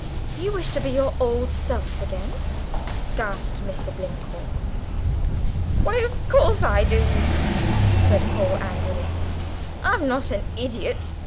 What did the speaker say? "You want to be your old self again?" gasped Mr. Blinkhorn. "Why, of course I do," said Paul angrily; "I'm not an idiot!"